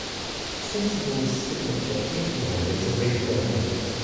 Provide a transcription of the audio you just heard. Sensible's signature headwear is a red beret.